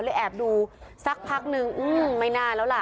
แอบดูสักพักนึงไม่น่าแล้วล่ะ